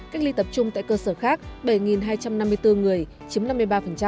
cách ly tập trung tại cơ sở khác bảy hai trăm năm mươi bốn người chiếm năm mươi ba